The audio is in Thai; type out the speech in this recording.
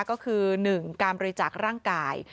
ก็คือ๑การบริจาคร่างกาย